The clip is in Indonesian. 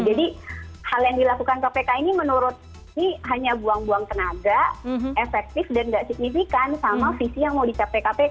jadi hal yang dilakukan kpk ini menurut ini hanya buang buang tenaga efektif dan tidak signifikan sama visi yang mau dicapai kpk